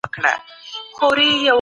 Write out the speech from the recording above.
د چا په حق کي بې انصافي مه کوئ.